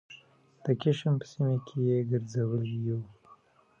د کشم په سیمه کې یې ګرځولي یوو